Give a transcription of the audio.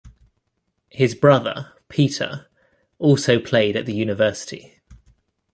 His brother, Peter, also played at the university.